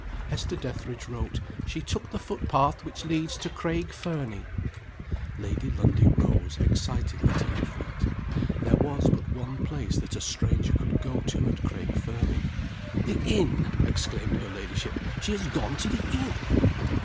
Hester Dethridge wrote: "She took the footpath which leads to Craig Fernie." Lady Lundie rose excitedly to her feet. There was but one place that a stranger could go to at Craig Fernie. "The inn!" exclaimed her ladyship. "She has gone to the inn!"